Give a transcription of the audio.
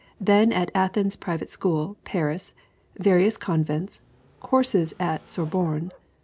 Then at Athens Private School. Paris. Various convents. Courses at Sorbonne.